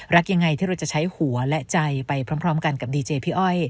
รักยังไงที่เราจะใช้หัวและใจไปพร้อมกันกับดีเจพี่อ้อย